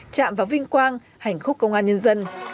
chạm vào vinh quang hành khúc công an nhân dân